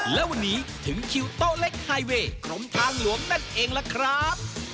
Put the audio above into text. และวันนี้ถึงคิวโต๊ะเล็กไฮเวย์กรมทางหลวงนั่นเองล่ะครับ